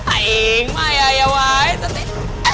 aing maya ya wae sateh